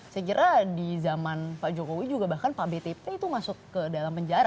saya kira di zaman pak jokowi juga bahkan pak btp itu masuk ke dalam penjara